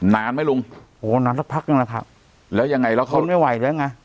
นานไหมลุงโหนานสักพักนึงแหละครับแล้วยังไงผมไม่ไหวแล้วไง